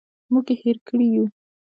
موږ یې هېر کړي یوو.